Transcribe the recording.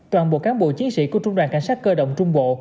toàn bộ cán bộ chiến sĩ của trung đoàn cảnh sát cơ động trung bộ